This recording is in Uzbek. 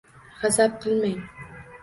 G‘azab qilmang.